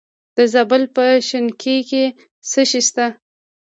د زابل په شنکۍ کې څه شی شته؟